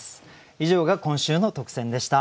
以上が今週の特選でした。